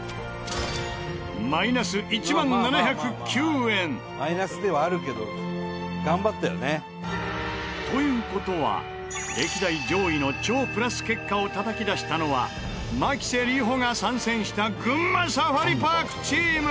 マイナス１万７０９円。という事は歴代上位の超プラス結果をたたき出したのは牧瀬里穂が参戦した群馬サファリパークチーム！